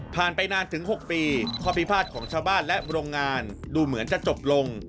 ไปนานถึง๖ปีข้อพิพาทของชาวบ้านและโรงงานดูเหมือนจะจบลง